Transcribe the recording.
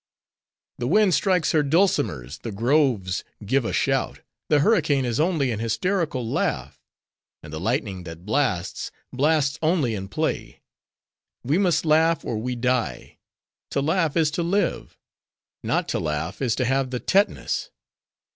"The wind strikes her dulcimers; the groves give a shout; the hurricane is only an hysterical laugh; and the lightning that blasts, blasts only in play. We must laugh or we die; to laugh is to live. Not to laugh is to have the tetanus.